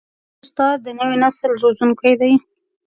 استاد د نوي نسل روزونکی دی.